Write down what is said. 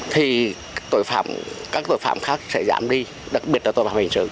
thì các tội phạm khác sẽ giảm đi đặc biệt là tội phạm hình sự